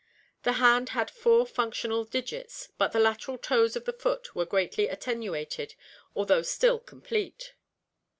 The hand had four functional digits but the lateral toes of the foot were greatly attenuated although still complete.